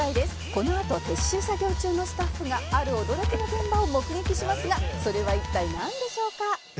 「このあと撤収作業中のスタッフがある驚きの現場を目撃しますがそれは一体なんでしょうか？」